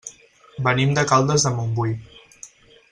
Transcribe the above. Venim de Caldes de Montbui.